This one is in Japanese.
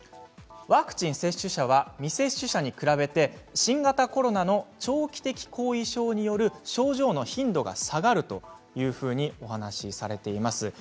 ワクチン接種者は未接種者に比べて新型コロナの長期的後遺症による症状の頻度が下がるというふうにお話しされています。